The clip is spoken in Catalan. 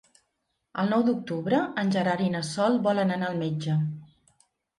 El nou d'octubre en Gerard i na Sol volen anar al metge.